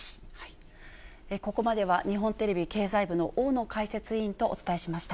ここまでは、日本テレビ経済部の大野解説委員とお伝えしました。